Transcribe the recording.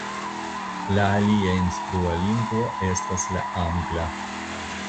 La alia instrua lingvo estas la angla.